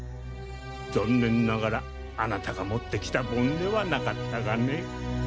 残念ながらあなたが持ってきた盆ではなかったがね。